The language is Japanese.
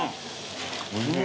おいしい。